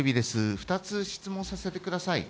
２つ質問をさせてください。